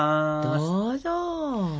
どうぞ。